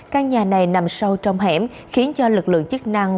căn nhà này nằm sâu trong hẻm khiến cho lực lượng chức năng